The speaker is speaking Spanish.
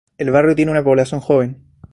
El barrio tiene una población joven.